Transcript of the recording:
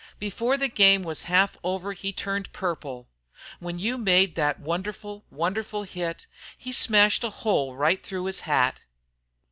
Before the game was half over he turned purple. When you made that wonderful, wonderful hit he smashed a hole right through his hat."